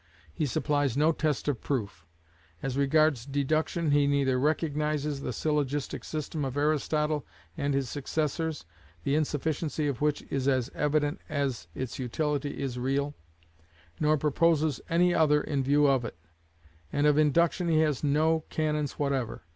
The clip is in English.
He supplies no test of proof. As regards deduction, he neither recognises the syllogistic system of Aristotle and his successors (the insufficiency of which is as evident as its utility is real) nor proposes any other in lieu of it: and of induction he has no canons whatever.